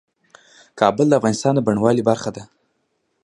کابل د افغانستان د بڼوالۍ برخه ده.